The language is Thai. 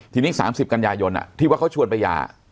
ทีนี้สามสิบกัญญายนอ่ะที่ว่าเขาชวนไปยา